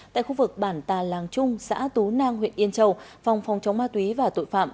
tại khu vực bản tà làng trung xã tú nang huyện yên châu phòng phòng chống ma túy và tội phạm